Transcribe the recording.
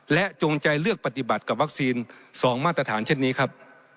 และจงใจเลือกปฏิบัติกับวัคซีน๒มาตรฐานเช่นนี้ครับ